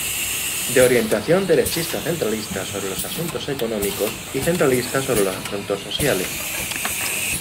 De orientación derechista-centralista sobre los asuntos económicos y centralista sobre los asuntos sociales.